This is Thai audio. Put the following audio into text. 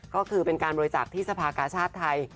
ก็คือเป็นการบริจาคที่สภากาชาติไทย